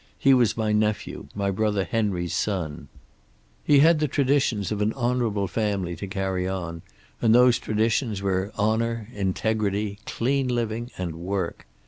He was my nephew, my brother Henry's son. He had the traditions of an honorable family to carry on, and those traditions were honor, integrity, clean living and work.